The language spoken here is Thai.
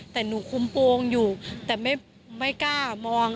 แต่หนูคุมโปรงอยู่แต่ไม่กล้ามอง